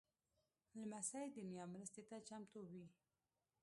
لمسی د نیا مرستې ته چمتو وي.